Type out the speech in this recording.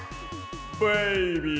ベイビー！